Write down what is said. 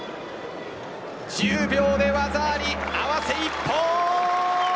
１０秒で技あり合わせ一本。